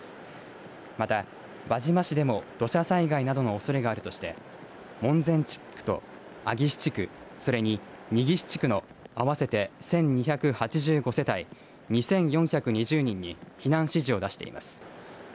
また、輪島市でも土砂災害のおそれがあるとして門前地区と阿岸地区、それに仁岸地区の合わせて１２８５世帯２４２０人に避難指示を出しています。